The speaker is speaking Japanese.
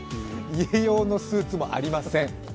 家用のスーツもありません！